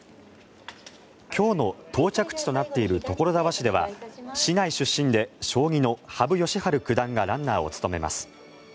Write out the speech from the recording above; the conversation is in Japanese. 今日の到着地となっている所沢市では市内出身で将棋の羽生善治九段がランナーを務めます。